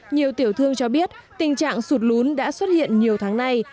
nhiều tiểu thương cho biết tình trạng sụt lún đã xuất hiện nhiều tháng nay